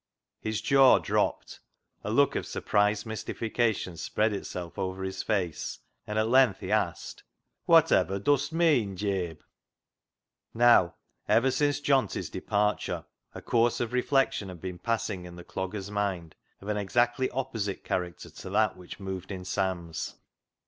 His jaw dropped, a look of sur prised mystification spread itself over his face, and at length he asked —" Wot^^'^r dust meean, Jabe ?" Now, ever since Johnty's departure a course of reflection had been passing in the dogger's mind of an exactly opposite character to that which moved in Sam's.